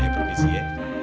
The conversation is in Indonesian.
ayo permisi ya